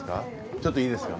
ちょっといいですか？